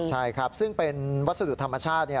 ใช่ครับซึ่งเป็นวัสดุธรรมชาติ